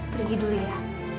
pergi dulu ya